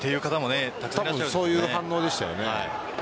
たぶんそういう反応でしたよね。